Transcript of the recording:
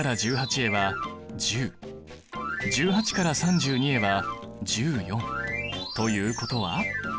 １８から３２へは１４。ということは？